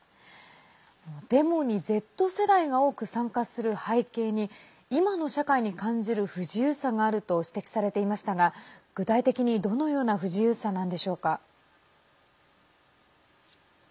デモにＺ世代が多く参加する背景に今の社会に感じる不自由さがあると指摘されていましたが具体的に、どのような不自由さなんでしょうか？